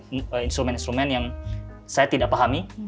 saya menghindari instrumen instrumen yang saya tidak pahami